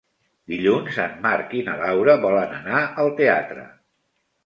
Dilluns en Marc i na Laura volen anar al teatre.